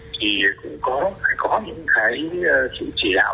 thì cũng phải có những chỉ đạo